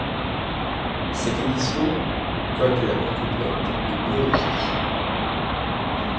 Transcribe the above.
Cette édition, quoique la plus complète, est peu recherchée.